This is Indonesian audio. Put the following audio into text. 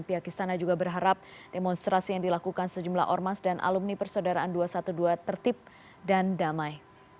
pihak istana juga berharap demonstrasi yang dilakukan sejumlah ormas dan alumni persaudaraan dua ratus dua belas tertib dan damai